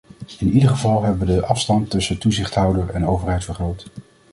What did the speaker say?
In ieder geval hebben we de afstand tussen toezichthouder en overheid vergroot.